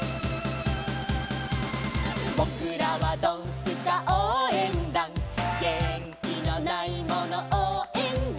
「ぼくらはドンスカおうえんだん」「げんきのないものおうえんだ！！」